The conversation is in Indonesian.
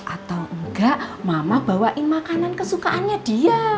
atau enggak mama bawain makanan kesukaannya dia